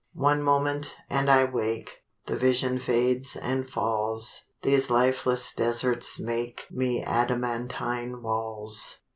One moment—and I wake; The vision fades and falls; These lifeless deserts make Me adamantine walls.